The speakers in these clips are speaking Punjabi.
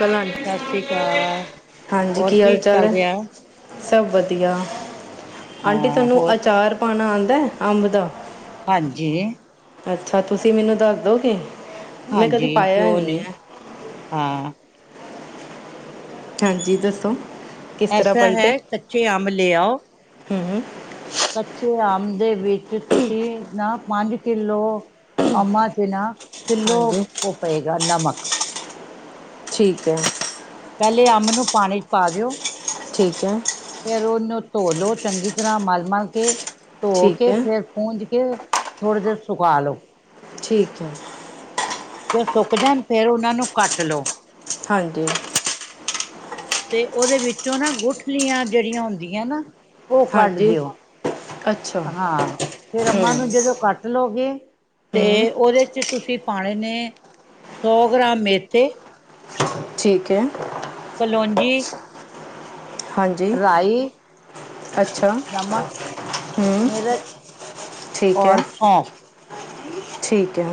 ਗਲਾਂ ਨੂੰ- ਸਾਸ ਸ਼੍ਰੀ ਕਾਲ, ਹੋਰ ਹਾਲ ਕੀ ਚਾਲ ਚੱਲ ਹੈ ਰੈਆ? ਸਭ ਵਧੀਆ, ਆਂਟੀ ਹਾਂ ਤੁਆਨੂੰ ਹੋਰ ਅਚਾਰ ਪਾਨਾ ਆਂਦਾ ਐ ਅੰਬ ਦਾ ਹਾਂਜੀ। ਅੱਛਾ ਤੁਸੀਂ ਮੈਨੂੰ ਦੱਸ ਦੋਗੇ, ਮੈਂ ਕਦੀ ਹਾਂਜੀ ਪਾਯਾ ਕਿਉਂ ਨੀ ਨਹੀਂ ਐ। ਹਾਂ ਹਾਂਜੀ ਦੱਸੋ। ਕਿਸ ਤਰ੍ਹਾਂ ਐਸਾ ਪਾਈਦਾ ਹੈ ਕੱਚੇ ਅੰਬ ਲੇ ਆਓ ਹੂੰ। ਕੱਚੇ ਆਮ ਦੇ ਵਿੱਚ ਤੁਸੀਂ ਨਾ ਪੰਜ ਕਿੱਲੋ ਅੰਬਾ ਚ ਨਾ ਕਿੱਲੋ ਹਾਂਜੀ ਓ ਪਏਗਾ ਨਮਕ। ਠੀਕ ਐ। ਪੈਲੇ ਅੰਬ ਨੂੰ ਪਾਨੀ ਚ ਪਾ ਦਿਓ। ਠੀਕ ਐ। ਫੇਰ ਓਨੂੰ ਧੋ ਲੋ ਚੰਗੀ ਤਰ੍ਹਾਂ ਮਲ-ਮਲ ਕੇ, ਧੋ ਠੀਕ ਕੇ ਹੈ ਫੇਰ ਪੁਜ ਕੇ, ਥੋੜੀ ਦੇਰ ਸੁਕਾ ਲਓ। ਠੀਕ ਐ। ਫੇਰ ਸੁੱਕ ਜਾਣ ਫੇਰ ਓਨਾਂ ਨੂੰ ਕੱਟ ਲੋ। ਹਾਂਜੀ। ਤੇ ਓਦੇ ਵਿੱਚੋਂ ਨਾ ਗੁਠਲੀਆਂ ਜੇੜੀਆਂ ਹੁੰਦੀਆਂ ਨਾ, ਓ ਕੱਢ ਹਾਂਜੀ ਦਿਓ। ਅੱਛਾ ਹੂੰ ਹਾਂ, ਫੇਰ ਅੰਮਾ ਨੂੰ ਜਦੋਂ ਕੱਟ ਕੱਟ ਲੋਗੇ, ਤੇ ਹੂੰ ਓਦੇ ਚ ਤੁਸੀਂ ਪਾਣੇ ਨੇ ਸੌ ਗ੍ਰਾਮ ਮੇਥੇ ਠੀਕ ਐ। ਪਲੋਂਜੀ। ਹਾਂਜੀ ਰਾਈ ਅੱਛਾ ਨਮਕ ਹੂੰ ਮਿਰਚ ਠੀਕ ਐ। ਔਰ ਸੌਂਫ ਠੀਕ ਐ।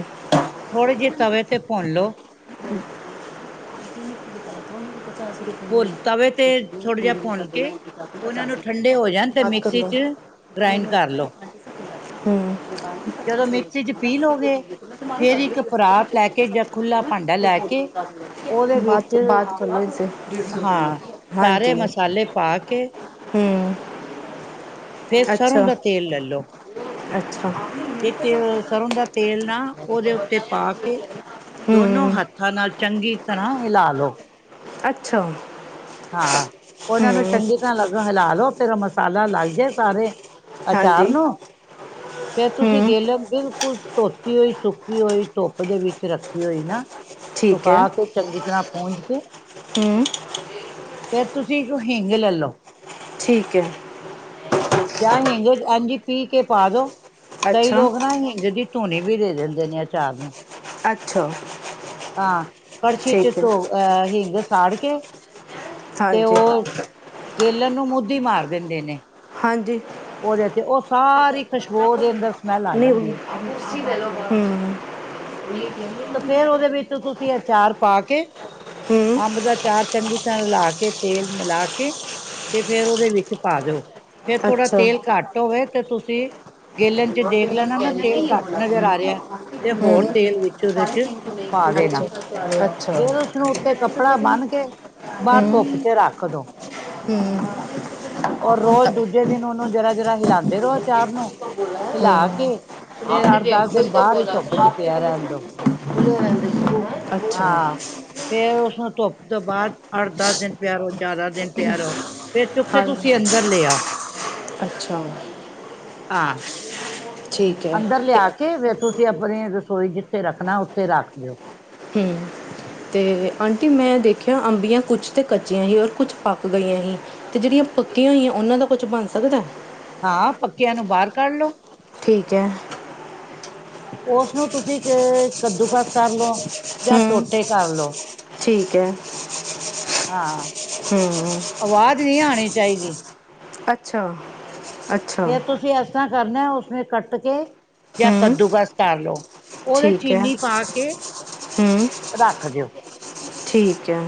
ਥੋੜੇ ਜੇਹੇ ਤਵੇ ਤੇ ਭੁੰਨ ਲੋ ਹਮ ਬੋਲ ਤਵੇ ਤੇ ਥੋੜ੍ਹਾ ਜੇਹਾ ਭੁੰਨ ਕੇ ਓਨਾਂ ਨੂੰ ਠੰਡੇ ਹੋ ਜਾਣ ਤੇ ਮਿਕਸੀ ਚ ਗਰਾਇੰਡ ਕਰ ਲਓ। ਹੂੰ। ਜਦੋਂ ਮਿਕਸੀ ਚ ਪੀਲੋਗੇ। ਫੇਰ ਇੱਕ ਪਰਾਤ ਲੈ ਕੇ ਜਾਂ ਖੁੱਲਾ ਭਾਂਡਾ ਲੈ ਕੇ ਓਦੇ ਵਿੱਚ ਹਾਂ, ਸਾਰੇ ਮਸਾਲੇ ਪਾ ਕੇ ਫੇਰ ਸਰ੍ਹੋਂ ਦਾ ਤੇਲ ਲੈ ਲਓ। ਵਿਚ ਸਰ੍ਹੋਂ ਦਾ ਤੇਲ ਨਾ ਓਦੇ ਉੱਤੇ ਪਾ ਕੇ, ਦੋਨੋ ਹੱਥ ਹੱਥਾਂ ਨਾਲ ਚੰਗੀ ਤਰ੍ਹਾਂ ਹਿਲਾ ਲਓ। ਅੱਛਾ। ਹਾਂ, ਉਹਨਾਂ ਨੂੰ ਚੰਗੀ ਤਰ੍ਹਾਂ ਲੱਗੋ ਹਿਲਾ ਲੋ, ਫਿਰ ਮਸਾਲਾ ਲੱਗ ਜੇ ਸਾਰੇ ਅਚਾਰ ਨੂੰ ਫਿਰ ਤੁਸੀਂ ਗੇਲਣ ਬਿਲਕੁਲ ਧੋਤੀ ਹੋਈ, ਸੁੱਕੀ ਹੋਈ ਧੁੱਪ ਦੇ ਵਿੱਚ ਰੱਖੀ ਹੋਈ ਨਾ ਸੁਕਾਾ ਕੇ ਚੰਗੀ ਤਰ੍ਹਾਂ ਪੂਝ ਕੇ ਹਮ। ਫਿਰ ਤੁਸੀਂ ਇੱਕ ਹਿੰਗ ਲੈ ਲਓ। ਠੀਕ ਐ। ਜਾਂ ਹਿੰਗ ਇੰਜ ਈ ਪੀ ਕੇ ਪਾ ਦੋ। ਕਈ ਲੋਕ ਨਾ ਹਿੰਗ ਦੀ ਧੂਨੀ ਵੀ ਦੇ ਦਿੰਦੇ ਨੇ ਅਚਾਰ ਨੂੰ। ਅੱਛਾ। ਹਾਂ ਕੜਛੀ ਚ ਧੋ ਅਹ ਹਿੰਗ ਸਾੜ ਕੇ ਤੇ ਓ ਗੇਲਣ ਨੂੰ ਮੁੱਧੀ ਮਾਰ ਦਿੰਦੇ ਨੇ। ਹਾਂਜੀ। ਉਹਦੇ ਤੇ ਉਹ ਸਾਰੀ ਖੁਸ਼ਬੋ ਓ ਦੇ ਅੰਦਰ ਸਮੈਲ ਆ ਨਈ, ਜਾਂਦੀ ਹੈ ਹਮ। ਤੇ ਫੇਰ ਉਹਦੇ ਵਿੱਚ ਤੁਸੀਂ ਅਚਾਰ ਪਾ ਕੇ, ਹੂੰ ਅੰਬ ਦਾ ਚਾਰ ਚੰਗੀ ਤਰ੍ਹਾਂ ਲਾ ਕੇ ਤੇਲ ਮਿਲਾ ਕੇ ਤੇ ਫੇਰ ਉਹਦੇ ਵਿੱਚ ਪਾ ਦਿਉ। ਜੇ ਥੋੜ੍ਹਾ ਅੱਛਾ ਹੂੰ ਤੇਲ ਘੱਟ ਹੋਵੈ ਤੇ ਤੁਸੀਂ ਗੇਲਣ ਚ ਦੇਖ ਲੈਣਾ ਨਾ ਤੇਲ ਘੱਟ ਨਜ਼ਰ ਆ ਰਿਹਾ ਤੇ ਹੋਰ ਤੇਲ ਵਿੱਚ ਉਹਦੇ ਚ ਪਾ ਦੇਣਾ। [unintelligible] ਫੇਰ ਉਸਨੂੰ ਉੱਤੇ ਕੱਪੜਾ ਬੰਨਕੇ, ਬਾਹਰ ਧੁੱਪ ਚ ਰੱਖ ਦੋ। ਹੂੰ। ਔਰ ਰੋਜ਼ ਦੂਜੇ ਦਿਨ ਉਹਨੂੰ ਜਰਾਂ-ਜਰਾਂ ਹਿਲਾਦੇ ਰਹੋ ਅਚਾਰ ਨੂੰ ਹਿਲਾ ਕੇ ਫੇਰ ਅੱਠ-ਦਸ ਦਿਨ ਬਾਹਰ ਈ ਧੁੱਪ ਚ ਪਿਆ ਰਹਨ ਦੋ। [unintelligible] ਹਾਂ, ਫੇਰ ਉਸਨੂੰ ਧੁੱਪ ਤੋਂ ਬਾਅਦ ਅੱਠ-ਦਸ ਦਿਨ ਪਿਆ ਰਹੋ, ਜ਼ਿਆਦਾ ਦਿਨ ਪਿਆ ਰੋ ਫੇਰ ਚੁੱਕ ਕੇ ਹਾਂਜੀ ਤੁਸੀਂ ਅੰਦਰ ਲੇ ਆਓ। ਅੱਛਾ। ਹਾਂ‌। ਠੀਕ ਹੈ। ਅੰਦਰ ਤੇ ਲੇਆਕੇ ਫੇਰ ਤੁਸੀਂ ਆਪਨੀ ਰਸੋਈ ਜਿੱਥੇ ਰੱਖਨਾ ਉੱਥੇ ਰੱਖ ਦਿਓ। ਹੂੰ। ਤੇ ਆਂਟੀ ਮੈਂ ਦੇਖਿਆ ਅੰਬੀਆਂ ਕੁਛ ਤੇ ਕੱਚੀਆਂ ਸੀ ਔਰ ਕੁਛ ਪੱਕ ਗਈਆਂ ਸੀ। ਤੇ ਜਿਹੜੀਆਂ ਪੱਕੀਆਂ ਹੋਈਆਂ, ਉਹਨਾਂ ਦਾ ਕੁਛ ਬਨ ਸਕਦੇ। ਹਾਂ। ਪੱਕਿਆਂ ਨੂੰ ਬਾਹਰ ਕੱਢ ਲਓ। ਠੀਕ ਐ। [inaudible] ਉਸਨੂੰ ਤੁਸੀਂ ਚਾਹੇ ਕੱਦੂਕਸ ਕਰ ਲਓ‌ ਜਾਂ ਹੂੰ ਟੋਟੇ ਕਰ ਲਓ‌। ਠੀਕ ਐ। ਹਾਂ ਹੂੰ। ਆਵਾਜ਼ ਨਈ ਆਨੀ ਚਾਹੀਦੀ। ਅਅ ਛਾ-ਅੱਛਾ। ਫੇਰ ਤੁਸੀਂ ਏਸ ਤਰ੍ਹਾਂ ਕਰਨੈ, ਉਸਨੇ ਕੱਟ ਕੇ ਯਾ ਹੂੰ ਕੱਦੂਕਸ ਕਰਲੋ। ਓਦੇ ਠੀਕ ਹੈ ਚੀਨੀ ਪਾਕੇ ਹੂੰ ਰੱਖ ਦਿਓ। ਠੀਕ ਐ।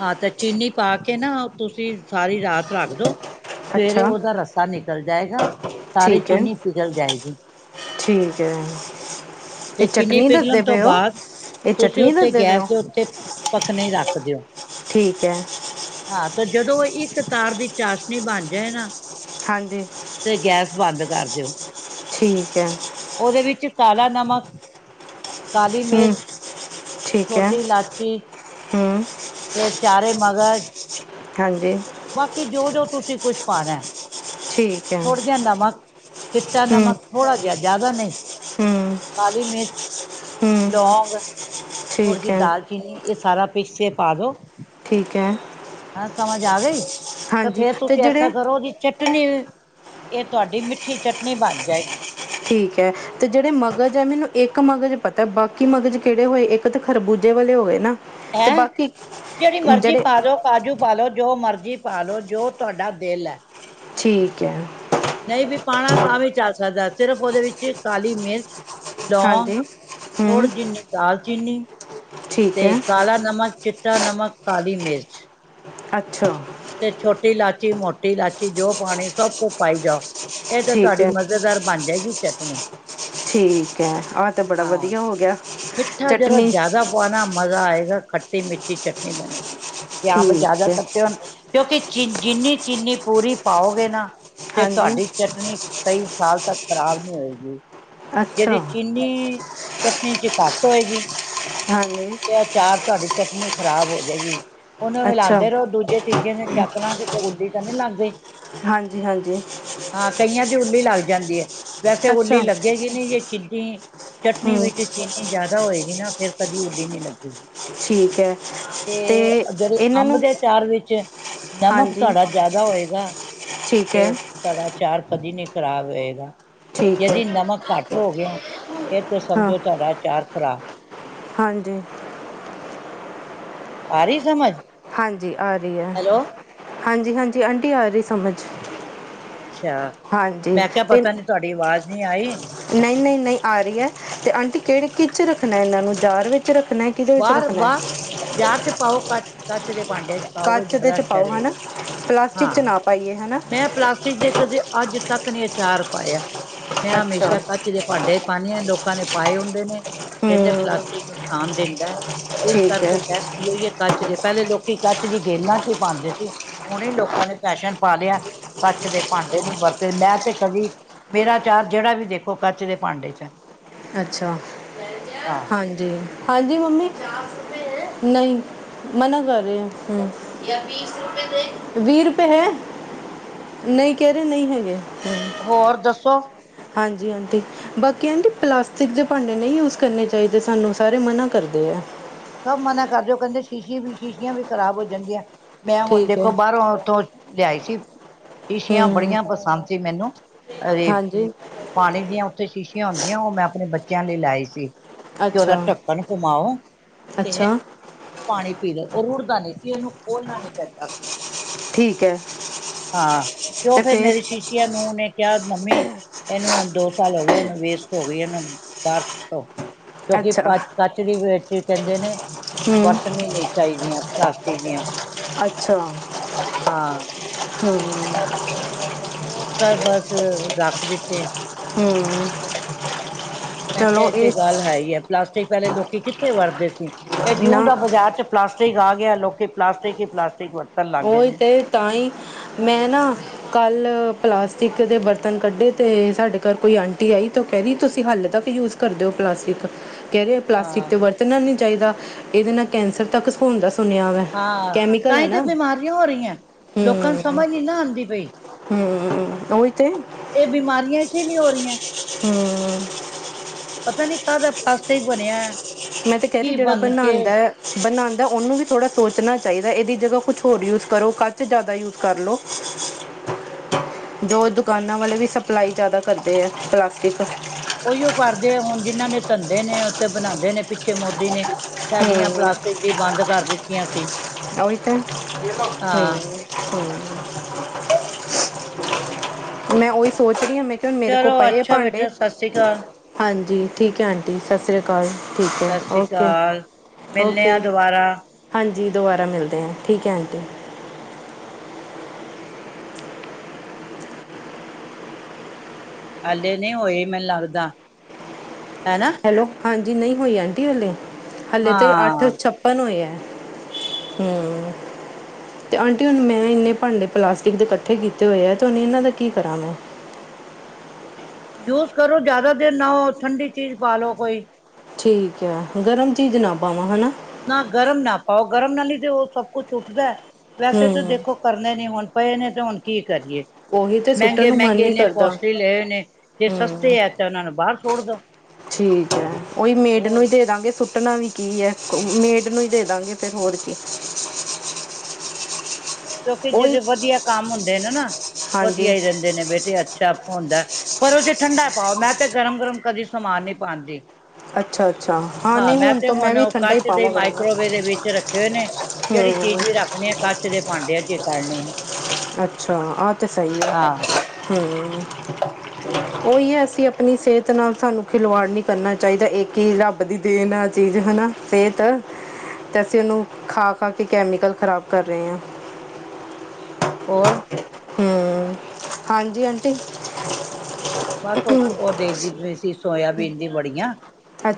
ਹਾਂ ਤੇ ਚੀਨੀ ਪਾਕੇ ਨਾਂ ਤੁਸੀਂ ਸਾਰੀ ਰਾਤ ਰੱਖਦੋ ਸਵੇਰੇ ਅੱਛਾ ਓਦਾ ਰ ਸਾ ਨਿਕਲ ਜਾਏਗਾ, ਸਾਰੀ ਠੀਕ ਹੈ ਚੀਨੀ ਪਿਗਲ ਜਾਏਗੀ। ਠੀਕ ਐ। ਤੇ ਚੀਨੀ ਪਿਘਲਨ ਤੋਂ ਬਾਦ ਇਹ ਤੁਸੀਂ ਚਟਨੀ ਓਤੇ ਦੱਸਦੇ ਪਏ ਹੋ ਗੈਸ ਦੇ ਉੱਤੇ ਪੱਕਨੇ ਰੱਖਦੇ ਦਿਓ ਠੀਕ ਐ। ਹਾਂ ਤੇ ਜਦੋਂ ਇੱਕ ਤਾਰ ਦੀ ਚਾਸਨੀ ਬਨ ਜਾਏ ਨਾ ਹਾਂਜੀ। ਤੇ ਗੈਸ ਬੰਦ ਕਰ ਦਿਓ। ਠੀਕ ਐ। ਓਦੇ ਵਿੱਚ ਕਾਲਾ ਨਮਕ ਕਾਲੀ ਹੂੰ ਮਿਰਚ, ਠੀਕ ਹੈ ਛੋਟੀ ਇਲਾਚੀ ਹੂੰ ਤੇ ਚਾਰੇ ਮਗਜ਼ [inaudible] ਹਾਂਜੀ। ਬਾਕੀ ਜੋ-ਜੋ ਤੁਸੀਂ ਕੁਛ ਪਾਨੈ। ਠੀਕ ਹੈ ਥੁੜ ਜਾ ਨਮਕ, ਚਿੱਟਾ ਹੂੰ ਨਮਕ ਥੋੜ੍ਹਾ ਜਿਆ ਜਾਦਾ ਨੀ ਹੂੰ ਕਾਲੀ ਮਿਰਚ, ਹੂੰ ਲੌਂਗ ਥੋੜੀ ਠੀਕ ਜੀ ਹੈ ਦਾਲਚੀਨੀ ਏ ਸਾਰਾ ਪੀਸੇ ਪਾਦੋ। ਠੀਕ ਐ। ਹਾਂ ਸਮਝ ਆ ਗਈ ਤੇ, ਫੇਰ ਅਤੇ ਤੁਸੀਂ ਐਸਾ ਜਿਹੜੇ ਕਰੋ ਜੀ ਚਟਨੀ, ਏ ਤੁਹਾਡੀ ਮਿੱਠੀ ਚਟਨੀ ਬਨ ਜਾਏਗੀ। ਠੀਕ ਐ। ਤੇ ਜੇੜੇ ਮਗਜ਼ ਐ, ਮੈਨੂੰ ਇੱਕ ਮਗਜ਼ ਪਤਾ ਬਾਕੀ ਮਗਜ਼ ਕੇੜੇ ਹੋਏ ਇੱਕ ਤੇ ਖਰਬੂਜੇ ਵਾਲੇ ਹੋ ਗਏ ਨਾ। ਅਤੇ ਹੈਂ, ਬਾਕੀ ਜੇੜੀ ਮਰਜ਼ੀ ਜਿਹੜੇ ਪਾਦੋ। ਕਾਜੂ ਪਾਲੋ ਜੋ ਮਰਜ਼ੀ ਪਾਲੋ ਜੋ ਤੁਹਾਡਾ ਦਿਲ ਐ। ਠੀਕ ਐ। ਨਈ ਵੀ ਪਾਨਾ ਤਾਂ ਵੀ ਚੱਲ ਸਕਦਾ ਸਿਰਫ ਓਦੇ ਵਿੱਚ ਕਾਲੀ ਮਿਰਚ ਲੌਗ ਹਾਂਜੀ ਥੋੜ ਹੂੰ ਜਿੰਨੀੇ ਦਾਲਚੀਨੀ ਠੀਕ ਹੈ ਤੇ, ਕਾਲਾ ਨਮਕ, ਚਿੱਟਾ ਨਮਕ, ਕਾਲੀ ਮਿਰਚ। ਅੱਛਾ। ਤੇ ਛੋਟੀ ਲਾਚੀ, ਮੋਟੀ ਲਾਚੀ ਜੋ ਪਾਨੀ ਸਭ ਕੁਛ ਪਾਈ ਜਾਓ। ਏ ਤੇ ਠੀਕ ਤੁਹਾਡੀ ਹੈ ਮਜ਼ੇਦਾਰ ਬਨ ਜਾਏਗੀ ਚਟਨੀ। ਠੀਕ ਐ, ਆ ਤੇ ਬੜਾ ਹਾਂ। ਵਧੀਆ ਹੋਗਿਆ ਚਟਨੀ ਪਾਨਾ ਮਜ਼ਾ ਆਏਗਾ ਖੱਟੀ-ਮਿੱਠੀ ਚਟਨੀ ਬਨੇਗੀ, ਜੇ ਆਮ ਜਾਦਾ [unintelligible] ਠੀਕ ਹੈ ਹੋਨ ਕਿਉਂਕੀ ਚਿ ਜਿੰਨੀ ਚੀਨੀ ਪੂਰੀ ਪਾਓਗੇ ਨਾ ਤੇ ਹਾਂਜੀ ਤੁਹਾਡੀ ਚਟਨੀ ਕਈ ਸਾਲ ਤੱਕ ਖ਼ਰਾਬ ਨੀ ਹੋਏਗੀ, [unintelligible] ਚੀਨੀ ਅੱਛਾ ਚੀਨੀ ਚਟਨੀ ਚ ਘੱਟ ਹੋਏਗੀ ਹਾਂਜੀ। ਤਾਂ ਚਾਰ ਤੁਹਾਡੀ ਚਟਨੀ ਖ਼ਰਾਬ ਹੋ ਜਾਏਗੀ, ਉਨੂੰ ਅੱਛਾ ਹਿਲਾਂਦੇ ਰੋ ਦੂਜੇ ਤੀਜੇ ਦਿਨ ਚੱਕ ਲਾਂਗੇ, ਕਿਤੇ ਉੱਲੀ ਤਾਂ ਨੀ ਲਾਂਦੇ। ਹਾਂਜੀ-ਹਾਂਜੀ। ਹਾਂ, ਕਈਆਂ ਦੀ ਉੱਲੀ ਲੱਗ ਜਾਂਦੀ ਐ। ਵੈਸੇ- ਉਲੀ ਅੱਛਾ ਲੱਗੇਗੀ ਨਹੀਂ, ਜੇ ਚਿਨੀ ਚਟਨੀ ਹੂੰ ਵਿੱਚ ਚਿਨੀ ਜੇ ਜਿਆਦਾ ਹੋਏਗੀ ਨਾਂ, ਫੇਰ ਕਦੀ ਉੱਲੀ ਨੀ ਲੱਗੇਗੀ। ਠੀਕ ਹੈ ਤੇ ਜਿਹੜੇ ਇਹਨਾਂ ਅੰਬ ਨੂੰ ਦੇ ਅਚਾਰ ਵਿੱਚ ਨਮਕ ਹਾਂਜੀ ਤੁਹਾਡਾ ਜ਼ਿਆਦਾ ਹੋਏਗਾ ਠੀਕ ਹੈ ਤੇ ਤਾਗਾ ਅਚਾਰ ਕਦੀ ਨੀ ਖ਼ਰਾਬ ਹੋਏਗਾ, ਠੀਕ ਹੈ ਜਦੀ ਨਮਕ ਘੱਟ ਹੋ ਗਿਆ ਫੇਰ ਤੇ ਹਾਂ ਸਮਝੋ ਤੁਹਾਡਾ ਚਾਰ ਖਰਾਬ ਹਾਂਜੀ। ਆ ਰਹੀ ਸਮਝ। ਹਾਂਜੀ, ਆ ਰਹੀ ਏ। ਹੈਲੋ ਹਾਂਜੀ-ਹਾਂਜੀ ਆਂਟੀ ਆ ਰਹੀ ਸਮਝ। ਹਾਂਜੀ ਅੱਛਾ--ਮੈਂ ਕਿਹਾ-ਪਤਾ ਨੀ ਤੁਹਾਡੀ ਆਵਾਜ਼ ਨੀ ਆਈ। ਨ‌ਈ, ਨ‌ਈ, ਨ‌ਈ ਆ ਰਹੀ ਏ ਤੇ ਆਂਟੀ ਕਿਹੜੇ ਕਿੱਚ ਰੱਖਨਾ। ਇਹਨਾਂ ਨੂੰ ਜਾਰ ਵਿੱਚ ਰੱਖਨਾ ਵਾਰ, ਵਾਰ ਜਾਰ ਚ ਪਾਓ। ਕੱਚ, ਕੱਚ ਦੇ ਭਾਂਡੇ ਚ ਪਾਓਗੇ ਕੱਚ ਦੇ ਜ਼ਿਆਦਾ ਚ ਅੱਛਾ ਪਾਓ। ਹਨਾਂ, ਰਹੇਗਾ ਪਲਾਸਟਿਕ ਚ ਹਾਂ ਨਾ ਪਾਈਏ। ਹਨਾ ਮੈਂ ਪਲਾਸਟਿਕ ਦੇ ਕਦੇ ਅੱਜ ਤੱਕ ਨ‌ਈ ਅਚਾਰ ਪਾਇਆ, ਮੈਂ ਅੱਛਾ ਹਮੇਸ਼ਾ ਕੱਚ ਕੱਚ ਦੇ ਭਾਂਡੇ ਪਾਨੇ ਆ ਲੋਕਾਂ ਨੇ ਪਾਏ ਹੁੰਦੇ ਨੇ, ਕੇਂਦੇ ਹੂੰ ਪਲਾਸਟਿਕ ਨੁਕਸਾਨ ਦਿੰਦਾ। ਇਸ ਠੀਕ ਕਰਕੇ ਹੈ ਬੈਸਟ ਕੀ ਓਈ ਏ ਕੱਚ ਦੇ ਪਹਿਲੇ ਲੋਕੀ ਕੱਚ ਵੀ ਗੇਲਾਂ ਚ ਹੀ ਪਾਂਦੇ ਸੀ, ਹੁਨੇ ਲੋਕਾਂ ਦੇ ਫੈਸ਼ਨ ਪਾ ਲਿਆ। ਕੱਚ ਦੇ ਭਾਂਡੇ ਨੂੰ ਵਰਸੇ ਮੈਂ ਤੇ ਕਦੀ ਮੇਰਾ ਅਚਾਰ ਜਿਹੜਾ ਵੀ ਦੇਖੋ ਕੱਚ ਦੇ ਭਾਂਡੇ ਚਏ। ਅੱਛਾ, ਹਾਂਜੀ, ਹਾਂਜੀ ਮੰਮੀ। ਨ‌ਈ ਮਨਾਂ ਕਰ ਰਹੇ ਯਾ। ਹੂੰ--ਵੀ ਰੁਪਏ ਹੈ। ਨ‌ਈ ਕੇ ਰਹੇ, ਨ‌ਈ ਹੈਗੇ। ਹੋਰ ਦੱਸੋ ਹਾਂਜੀ, ਆਂਟੀ। ਬਾਕੀ ਆਂਟੀ, ਪਲਾਸਟਿਕ ਦੇ ਭਾਂਡੇ ਨ‌ਈ ਯੂਸ ਕਰਨੇ ਚਾਈਦੇ, ਸਾਨੂੰ ਸਾਰੇ ਮਨਾ ਕਰਦੇ ਐ। ਸਬ ਮਨਾ ਕਰ ਜੋ ਕੇਨਦੇ, ਸ਼ੀਸ਼ੇ ਵੀ ਸ਼ੀਸ਼ੀਆਂ ਵੀ ਖਰਾਬ ਹੋ ਜਾਂਦੀਆਂ, ਮੈਂ ਹੁਨ ਠੀਕ ਦੇਖੋ ਹੈ ਬਾਹਰੋਂ ਉੱਥੋਂ ਲਿਆਈ ਸੀ। ਸ਼ੀਸ਼ੀਆਂ ਹੂੰ ਬੜੀਆਂ ਪਸੰਦ ਸੀ, ਮੈਨੂੰ ਅਰੇ ਹਾਂਜੀ ਪਾਨੀ ਦੀਆਂ ਉੱਥੇ ਸ਼ੀਸ਼ੀਆਂ ਹੁੰਦੀਆਂ, ਓ ਮੈਂ ਆਪਨੇ ਬੱਚੇਆਂ ਲਈ ਲੈਆਈ ਸੀ। ਕਿ ਓਦਾ ਅੱਛਾ ਢੱਕਨ ਘੂ ਮਾਓ ਤੇ ਅੱਛਾ ਪਾਣੀ ਪੀਲੋ, ਓ ਰੁੜਦਾ ਨਹੀਂ ਸੀ। ਇਹਨੂੰ ਖੋਲਨਾ ਨਹੀਂ ਪੈਂਦਾ ਸੀ। ਠੀਕ ਹੈ ਹਾਂ, ਤੇ ਉਹ ਫੇਰ ਮੇਰੇ ਸ਼ੀਸ਼ਿਆਂ ਨੂੰ ਉਨੇ ਕਿਹਾ- ਮੰਮੀ ਏਨੂੰ ਹੁਨ ਦੋ ਸਾਲ ਹੋ ਗਏ, ਏਹਨੂੰ ਵੇਸਟ ਹੋ ਗਈ, ਏਹਨੂੰ ਬਾਹਰ ਸੁੱਟੋ ਕਿਉਂਕਿ ਪਚ ਕੱਚ ਦੀ ਵਰੇਟੀ ਕਹਿੰਦੇ ਨੇ, ਹੂੰ ਵਰਤਨੀ ਨਹੀਂ। ਚ‌ਈਦੀਆਂ ਪਲਾਸਟਿਕ ਦੀਆਂ ਅੱਛਾ, ਹਾਂ ਹੂੰ ਓਸ ਤੋਂ ਬਸ ਰੱਖ ਦਿੱਤੇ। ਹੂੰ ਮੈਂ ਕੇਹਾ- ਇਥੇ ਗੱਲ ਹੈ ਹੀ ਹੈ, ਪਲਾਸਟਿਕ ਵਾਲੇ ਲੋਕੀ ਕਿੱਥੇ ਵਰਦੇ ਸੀ। ਏ ਜਿਉਂ ਨਾ ਦਾ ਬਾਜ਼ਾਰ ਚ ਪਲਾਸਟਿਕ ਆ ਗਿਆ, ਲੋਕੀ ਪਲਾਸਟਿਕ ਹੀ ਪਲਾਸਟਿਕ ਵਰ ਉਈ ਤੇ ਤਾਂਈ ਮੈਂ ਨਾ ਕੱਲ ਪਲਾਸਟਿਕ ਦੇ ਬਰਤਨ ਕੱਡੇ ਤੇ ਸਾਡੇ ਘਰ ਕੋਈ ਆਂਟੀ ਆਈ ਤਾਂ ਉਹ ਕਹਿ ਦਈ ਤੁਸੀਂ ਹਲੇ ਤੱਕ ਯੂਜ ਕਰ ਦਿਓ ਪਲਾਸਟਿਕ ਕੇ ਰਹੇ ਪਲਾਸਟਿਕ ਹਾਂ ਤੇ ਵਰਤਣਾ ਨੀ ਚਾਈਦਾ। ਇਹਦੇ ਨਾਲ ਕੈਂਸਰ ਤੱਕ ਸੋਣ ਦਾ ਸੁਣਿਆ ਵੈ। ਹਾਂ, ਕੈਮੀਕਲ ਹੈ ਤਾਂਈ ਤੇ ਨਾ ਬਿਮਾਰੀਆਂ ਹੋ ਰਹੀਆਂ। ਲੋਕਾਂ ਨੂੰ ਹੂੰ ਸਮਝ ਨੀ ਨਾ ਆਂਦੀ ਪਈ। ਹੂੰ ਉਹੀ ਤੇ ਇਹ ਬਿਮਾਰੀਆਂ ਇਸੇ ਲੀ ਹੋ ਰਹੀ ਐ ਹਾਂ ਹੂ ਪਤਾ ਨੀ ਕਾਦਾ ਪਤਾਟਿਕ ਬਣਿਆ ਐ ਮੈਂ ਤੇ ਕਹਿ ਰਹੀ ਜਿਹੜਾ ਬਣਾਉਂਦਾ ਬਣਾਉਂਦਾ ਉਹਨੂੰ ਵੀ ਥੋੜ੍ਹਾ ਸੋਚਣਾ ਚਾਹੀਦਾ ਇਹਦੀ ਜਗ੍ਹਾ ਕੁਛ ਹੋਰ ਯੂਜ਼ ਕਰੋ, ਕੱਚ ਜ਼ਿਆਦਾ ਯੂਜ ਕਰ ਲਉ ਜੋ ਦੁਕਾਨਾਂ ਵਾਲੇ ਵੀ ਸਪਲਾਈ ਜ਼ਿਆਦਾ ਕਰਦੇ ਐ, ਪਲਾਸਟਿਕ ਉਹੀਓ ਕਰਦੇ ਆ ਹੁਣ ਜਿਹਨਾਂ ਨੇ ਧੰਦੇ ਨੇ ਉੱਥੇ ਬਣਾਉਂਦੇ ਨੇ ਪਿੱਛੇ ਮੋਦੀ ਨੇ ਸੈਲੀਆਂ ਹੂੰ ਪਲਾਸਟਿਕ ਦੀ, ਬੰਦ ਕਰ ਦਿੱਤੀਆਂ ਸੀ ਔ ਹੀ ਤੇ, ਤਾਂ ਹੂ ਹਾਂ ਹੂ ਮੈਂ ਉਹੀ ਸੋਚ ਰਹੀ ਹਾਂ, ਮੈਂ ਕਿ ਹੁਣ ਮੇਰੇ ਕੋਲ ਚਲੋ ਪਏ ਆ ਅੱਛਾ ਭਾਂਡੇ ਬੇਟਾ ਸਤਿ ਸ੍ਰੀ ਅਕਾਲ ਹਾਂਜੀ ਠੀਕ ਹੈ ਆਂ ਜੀ ਸਤਿ ਸ਼੍ਰੀ ਅਕਾਲ, ਠੀਕ ਹੈ ਸਤਿ ਸ੍ਰੀ ਓਕੇ ਅਕਾਲ ਮਿਲਣੇ ਓਕੇ ਆ ਜੀ ਦੁਬਾਰਾ ਹਾਂਜੀ ਦੁਬਾਰਾ ਮਿਲਦੇ ਹਾਂ, ਠੀਕ ਹੈ ਆਂਟੀ ਹਾਲੇੇ ਨਹੀਂ ਹੋਏ ਮੈਨੂੰ ਲੱਗਦਾ, ਹੈਨਾ ਹੈਲੋ ਹਾਂਜੀ ਨਹੀਂ ਹੋਈ ਆਂਟੀ ਹਾਲੇ, ਹਾਲੇ ਤਾਂ ਅੱਠ ਹਾਂ ਛੱ ਔਪਨ ਹੋਯਾ, ਹੂ ਤੇ ਆਂਟੀ ਹੁਣ ਮੈਂ ਇੰਨੇ ਭਾਂਡੇ ਪਲਾਸਟਿਕ ਦੇ ਇਕੱਠੇ ਕੀਤੇ ਹੋਏ ਐ, ਤੇ ਹੁਣ ਇਨਾਂ ਦਾ ਕੀ ਕਰਾਂ ਮੈਂ ਯੂਜ ਕਰੋ ਜ਼ਿਆਦਾ ਦੇਰ, ਨਾ ਹੋ ਠੰਡੀ ਚੀਜ਼ ਪਾ ਲਉ ਕੋਈ ਠੀਕ ਹੈ, ਗਰਮ ਚੀਜ਼ ਨਾ ਪਾਵਾਂ ਹੈ ਨਾ ਨਾ ਗਰਮ ਨਾ ਪਾਓ, ਗਰਮ ਨਾਲ ਹੀ ਤੇ ਉਹ ਸਭ ਕੁਛ ਉੱਠਦਾ ਵੈਸੇ ਤਾਂ ਹੂੰ ਦੇਖੋ ਕਰਨੇ ਨੀ, ਹੁਣ ਪਏ ਨੇ ਤੇ ਹੁਣ ਕੀ ਕਰੀਏ ਉਹੀ ਤੇ ਸੁੱਟਣ ਮਹਿੰਗੇ ਨੂੰ ਮਨ ਮਹਿੰਗੇ ਨੀ ਇੰਨੇ ਕਰਦਾ ਕੋਸਟਲੀ ਲਏ ਹੋਏ ਨੇ, ਜੇ ਹੂੰ ਸਸਤੇ ਹੈ ਤਾਂ ਉਹਨਾਂ ਨੂੰ ਬਾਹਰ ਸੁੱਟ ਦਓ ਠੀਕ ਹੈ, ਉਹੀ ਮੇਡ ਨੂੰ ਹੀ ਦੇ ਦਾਂਗੇ ਸੁੱਟਣਾ ਵੀ ਕੀ ਹੈ ਮੇਡ ਨੂੰ ਹੀ ਦੇ ਹਾਂ ਦਾਂਗੇ ਫਿਰ ਹੋਰ ਕੀ ਕਿਉਂਕਿ ਉਹੀ ਜਿਹੜੇ ਵਧੀਆ ਕੰਮ ਹੁੰਦੇ ਨੇ ਨਾ, ਵਧੀਆ ਹਾਂਜੀ ਹੀ ਰਹਿੰਦੇ ਨੇ ਬੇਟੇ ਚੱਪ ਹੁੰਦਾ, ਪਰ ਉਹ ਚ ਠੰਡਾ ਪਾਓ ਮੈਂ ਤੇ ਗਰਮ ਗਰਮ ਕਦੀ ਸਮਾਨ ਨਹੀਂ ਪਾਉਂਦੀ ਅੱਛਾ ਅੱਛਾ ਹਾਂ, ਨਹੀਂ ਮੈਂ ਤੇ ਤੋਂ ਹੁਣ ਵੀ ਠੰਡਾ ਹੀ ਕੱਚ ਦੇ ਪਾਵਾਂ ਕਰਾਂਗਾ ਮਾਈਕਰੋਵੇਵ ਦੇ ਵਿੱਚ ਰੱਖੇ ਹੋਏ ਨੇ ਜਿਹੜੀ ਹੂੰ ਚੀਜ਼ ਵੀ ਰੱਖਣੀ ਆਂ, ਕਚ ਦੇ ਭਾਂਡੇਆਂ ਚ ਈ ਜੇ ਕਦਨੀ ਆਂ ਅੱਛਾ ਆ ਤੇ ਤਾਂ ਸਹੀ ਹੈ ਹਾਂ ਹੂ ਉਹੀ ਹੈ ਅਸੀਂ ਆਪਣੀ ਸਿਹਤ ਨਾਲ ਸਾਨੂੰ ਖਿਲਵਾੜ ਨਹੀਂ ਕਰਨਾ ਚਾਹੀਦਾ, ਇਸ ਚੀਜ਼ ਦਾ ਵਡੀ ਦੀ ਦੇਣ ਆ, ਚੀਜ਼ ਹੈਨਾ, ਸੇਹਤ ਤੇ ਅਸੀਂ ਉਹਨੂੰ ਖਾ ਖਾ ਕੇ ਕੈਮੀਕਲ, ਖ਼ਰਾਬ ਕਰ ਰਹੇ ਹਾਂ ਹੋਰ ਹੂ ਹਾਂਜੀ ਆਂਟੀ ਬਸ ਉਸ ਉਹ ਦੇਖਦੀ ਪਈ ਸੀ, ਸੋਇਆਬੀਨ ਦੀ ਵੜੀਆਂ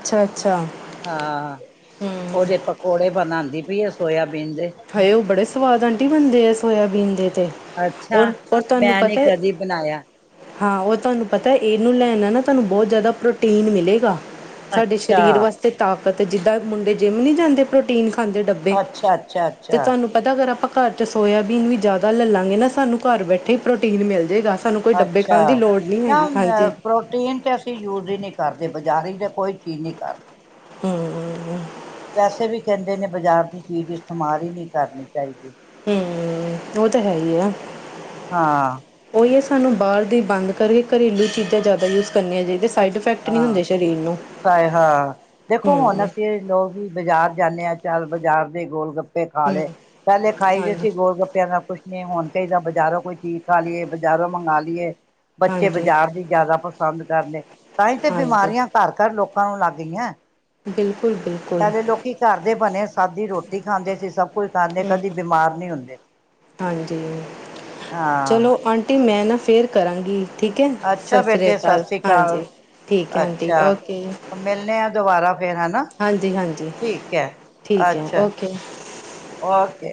ਅੱਛਾ ਅੱਛਾ ਹਾਂ ਉਹਦੇ ਪਕੌੜੇ ਬਣਉਂਦੀ ਪਈ ਆਂ, ਸੋਆਬੀਨ ਦੇ ਹਾਏ ਉਹ ਬੜੇ ਸਵਾਦ ਆਂਟੀ ਬਣਦੇ ਐ, ਸੋਇਆਬੀਨ ਦੇ ਤੇ ਅੱਛਾ ਓਏ ਓ ਤੁਹਾਨੂੰ ਮੈਂ ਨੀ ਪਤਾ ਕਦੀ ਬਣਾਇਆ ਹਾਂ ਉਹ ਤੁਹਾਨੂੰ ਪਤਾ ਇਹਨੂੰ ਲੈਣ ਨਾਲ ਨਾ, ਤੁਹਾਨੂੰ ਬਹੁਤ ਜ਼ਿਆਦਾ ਪ੍ਰੋਟੀਨ ਮਿਲੇਗਾ ਸਾਡੇ ਅੱਛਾ ਸਰੀਰ ਵਾਸਤੇ ਤਾਕਤ ਜਿੱਦਾਂ ਮੁੰਡੇ ਜਿੰਮ ਨਹੀਂ ਜਾਂਦੇ ਪ੍ਰੋਟੀਨ ਖਾਂਦੇ ਡੱਬੇ ਅ ਅੱਛਾ ਤੇ ਅੱਛਾ ਤੁਹਾਨੂੰ ਪਤਾ ਅਗਰ ਆਪਾਂ ਘਰ ' ਸੋਇਆਬੀਨ ਵੀ ਜ਼ਿਆਦਾ ਲੈ ਲਾਂਗੇ ਨਾ ਸਾਨੂੰ ਘਰ ਬੈਠੇ ਹੀ ਪ੍ਰੋਟੀਨ ਮਿਲ ਜਾਏਗਾ ਅੱਛਾ ਨਾ ਅ ਪ੍ਰੋਟੀਨ ਤੇ ਅਸੀ ਯੂਜ ਹੀ ਨਹੀਂ ਕਰਦੇ ਬਜ਼ਾਰ ਦੀ ਕੋਈ ਚੀਜ਼ ਨਹੀਂ ਕਰਦੇ ਹੂੰ ਵੈਸੇ ਵੀ ਕਹਿੰਦੇ ਨੇ ਬਾਜ਼ਾਰ ਦੀ ਚੀਜ਼ ਇਸਤੇਮਾਲ ਹੀ ਨਹੀਂ ਕਰਨੀ ਚਾਹੀਦੀ ਹੂੰ ਉਹ ਤਾਂ ਹੈ ਹੀ ਆ ਹਾਂ ਉਹੀ ਹੈ ਸਾਨੂੰ ਬਾਹਰ ਦੀ ਬੰਦ ਕਰਕੇ ਘਰੇਲੂ ਚੀਜ਼ਾਂ ਜ਼ਿਆਦਾ ਯੂਜ ਕਰਨੀਆਂ ਚਾਹੀਦੀਆਂ ਸਾਈਡ ਇਫੈਕਟ ਨਹੀਂ ਹੁੰਦੇ ਸਰੀਰ ਨੂੰ ਤਾਂ ਏ ਹਾਂ ਦੇਖੋ ਹੁਣ ਹੂੰ ਅਸੀਂ ਲੋਕ ਵੀ ਬਾਜ਼ਾਰ ਜਾਂਦੇ ਹਾਂ ਚੱਲ ਬਾਜ਼ਾਰ ਦੇ ਗੋਲ ਗੱ ਤੇ ਖਾ ਹੂੰ, ਲਏ ਪਹਿਲੇ ਖਾਈ ਦੇ ਹਾਂਜੀ, ਸੀ ਗੋਲ ਗੱਪਿਆਂ ਨਾਲ ਕੁਛ ਤੇ ਹੁਣ ਤੇ ਬਾਜ਼ਾਰੋਂ ਕੋਈ ਚੀਜ਼ ਖਾ ਲਈਏ ਬਜ਼ਾਰੋਂ ਮੰਗਵਾ ਲਈਏ ਬੱਚੇ ਹਾਂਜੀ, ਬਾਜ਼ਾਰ ਦੀ ਜ਼ਿਆਦਾ ਪਸੰਦ ਕਰਦੇ ਤਾਂ ਹੀ ਤੇ ਹਾਂਜੀ, ਬਿਮਾਰੀਆਂ ਘਰ ਘਰ ਲੋਕਾਂ ਨੂੰ ਲੱਗ ਗਈਆਂ ਬਿਲਕੁਲ ਬਿਲਕੁਲ ਪਹਿਲੇ ਲੋਕੀ ਘਰ ਦੇ ਬਣੇ ਸਾਦੀ ਰੋਟੀ ਖਾਂਦੇ ਸੀ ਸਭ ਕੋਈ ਖਾਂਦੇ ਕਦੀ ਬਿਮਾਰ ਨਹੀਂ ਹੁੰਦੇ ਸੀ ਹਾਂਜੀ, ਹਾਂ ਚਲੋ ਆਂਟੀ ਮੈਂ ਨਾ ਫੇਰ ਕਰਾਂਗੀ ਠੀਕ ਹੈ ਅੱਛਾ ਸਤਿ ਸ਼੍ਰੀ ਬੇਟੇ ਅਕਾਲ ਸਤਿ ਸ੍ਰੀ ਅਕਾਲ ਹਾਂਜੀ ਠੀਕ ਐ ਆਂਟੀ ਅੱਛਾ ਓਕੇ ਮਿਲਣੇ ਆ ਦੁਬਾਰਾ ਫੇਰ ਹਨਾ ਹਾਂਜੀ ਹਾਂਜੀ ਠੀਕ ਹੈ ਠੀਕ ਐ ਅੱਛਾ ਓਕੇ ਓਕੇ